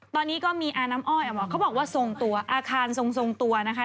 ตอนนี้ก็มีอาน้ำอ้อยเขาบอกว่าทรงตัวอาคารทรงตัวนะคะ